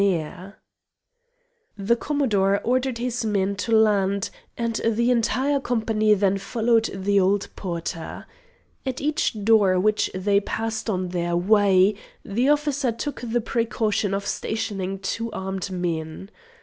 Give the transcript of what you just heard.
The Commodore ordered his men to land, and the entire company then followed the old porter. At each door which they passed on their way the officer took the precaution of stationing two armed men.